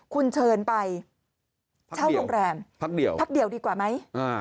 คุณเชิญไปเช่าโรงแรมพักเดียวพักเดียวดีกว่าไหม